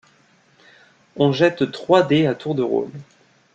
On jette trois dés à tour de rôle.